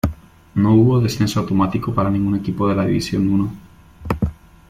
No hubo descenso automático para ningún equipo de la División Uno.